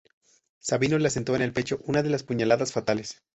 Sabino le asestó en el pecho una de las puñaladas fatales.